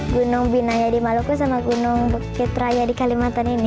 gunung binaya di maluku sama gunung bukit raya di kalimantan ini